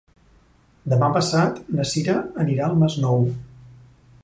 Demà passat na Sira anirà al Masnou.